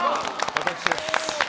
私です